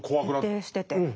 徹底してて。